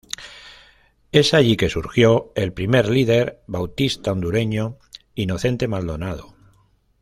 Es allí que surgió el primer líder bautista hondureño Inocente Maldonado.